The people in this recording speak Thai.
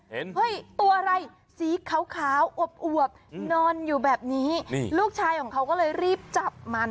เฮ้ยตัวอะไรสีขาวอวบนอนอยู่แบบนี้ลูกชายของเขาก็เลยรีบจับมัน